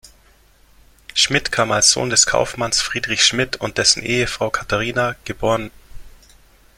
Schmidt kam als Sohn des Kaufmanns Friedrich Schmidt und dessen Ehefrau Katharina, geb.